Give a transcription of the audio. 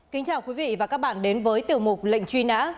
kính chào quý vị và các bạn đến với tiểu mục lệnh truy nã